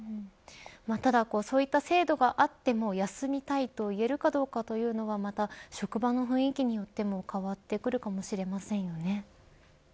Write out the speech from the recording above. ただそういった制度があっても休みたいと言えるかどうかというのはまた職場の雰囲気によっても変わってくるかもしれませんよね。